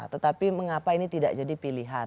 tetapi mengapa ini tidak jadi pilihan